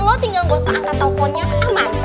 lo tinggal gak usah angkat teleponnya aman